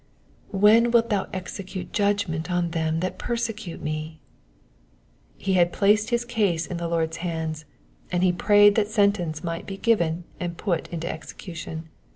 ^''Whcn wilt thou execute judgment on them that 'persecute meV^ He had placed his case in the Lord's hands, and he prayed that sentence might be given and put into execution.